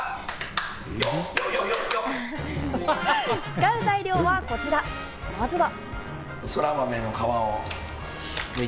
使う材料はこちら、まずは。